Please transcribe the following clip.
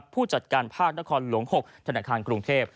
ผู้จัดการภาคนครหลวง๖ธนาคารกรุงเทพ